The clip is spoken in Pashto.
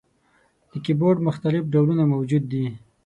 د کیبورډ مختلف ډولونه موجود دي.